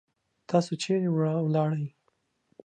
تاسو چیرې ولاړی؟